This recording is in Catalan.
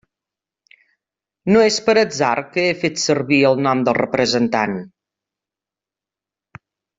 No és per atzar que he fet servir el nom de representant.